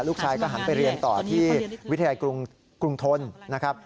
ลูกชายก็หันไปเรียนต่อที่วิทยาลัยกรุงทนนะครับ